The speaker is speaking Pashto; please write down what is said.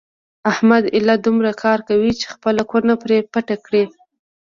احمد ایله دومره کار کوي چې خپله کونه پرې پټه کړي.